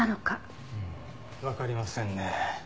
わかりませんね。